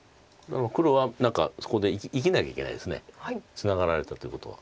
ツナがられたということは。